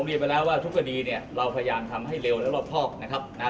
นี่คือความจริงประเทศไทยขอบคุณมากครับ